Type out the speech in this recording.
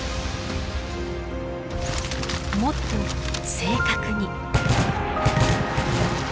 もっと正確に。